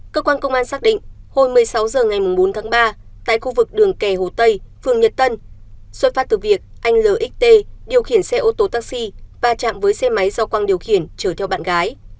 cơ quan công an xác định hồi một mươi sáu h ngày bốn tháng ba tại khu vực đường kè hồ tây phường nhật tân xuất phát từ việc anh l điều khiển xe ô tô taxi và chạm với xe máy do quang điều khiển chở theo bạn gái